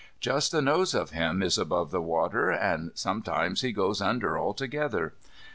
Just the nose of him is above water, and sometimes he goes under altogether.